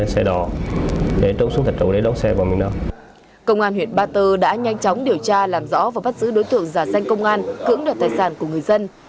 công an huyện ba tơ đã nhanh chóng điều tra làm rõ và bắt giữ đối tượng giả danh công an cưỡng đoạt tài sản của người dân